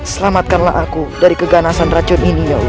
selamatkanlah aku dari keganasan racun ini ya allah